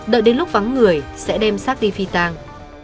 đợi đến lúc vắng người sẽ đem sát đi phi tang